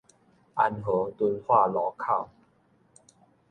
安和敦化路口